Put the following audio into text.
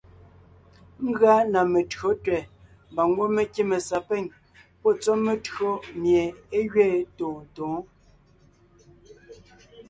Ngʉa na metÿǒ tẅɛ̀ mbà ngwɔ́ mé kíme sapîŋ pɔ́ tsɔ́ metÿǒ mie é gẅeen tôontǒon.